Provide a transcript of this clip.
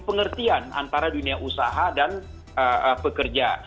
pengertian antara dunia usaha dan pekerja